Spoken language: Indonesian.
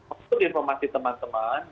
untuk informasi teman teman